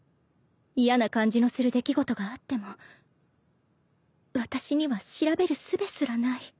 嫌な感じのする出来事があっても私には調べるすべすらない。